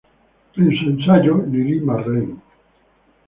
En su ensayo "Lili Marleen.